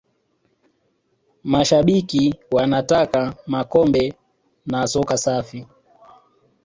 mashabiki wa nataka makombe na soka safi